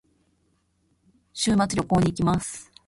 週末に旅行に行きます。